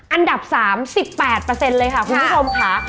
อันดับ๓๑๘เลยค่ะคุณผู้ชมค่ะ